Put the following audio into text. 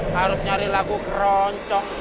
harus nyari lagu keronco